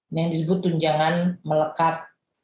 ini yang disebut tunjangan melekat